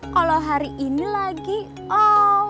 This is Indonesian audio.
kalau hari ini lagi oh